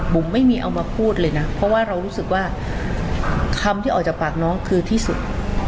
ไม่มีเอามาพูดเลยนะเพราะว่าเรารู้สึกว่าคำที่ออกจากปากน้องคือที่สุด